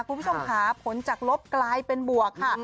คุณผู้ชมค่ะผลจากลบกลายเป็นบวกค่ะ